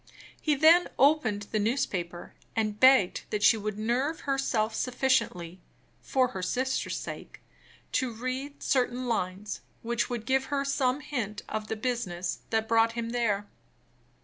He then opened the newspaper, and begged that she would nerve herself sufficiently (for her sister's sake) to read certain lines, which would give her some hint of the business that brought him there.